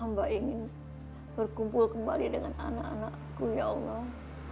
mbak ingin berkumpul kembali dengan anak anakku ya allah